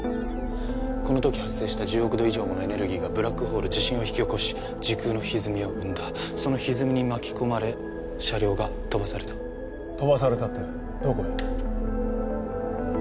この時発生した１０億度以上ものエネルギーがブラックホール地震を引き起こし時空のひずみを生んだそのひずみに巻き込まれ車両が飛ばされた飛ばされたってどこへ？